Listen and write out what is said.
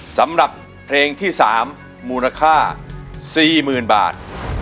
สำหรับเพลงที่๓มูลค่า๔๐๐๐บาท